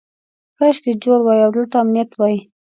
کاشکې جوړ وای او دلته امنیت وای.